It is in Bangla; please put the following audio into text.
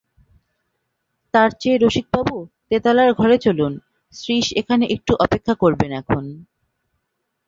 তার চেয়ে রসিকবাবু, তেতালার ঘরে চলুন– শ্রীশ এখানে একটু অপেক্ষা করবেন এখন।